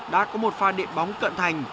đã có một pha điện bóng cận thành